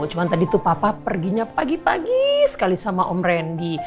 cuma tadi tuh papa perginya pagi pagi sekali sama om randy